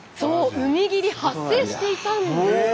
海霧発生していたんですよ。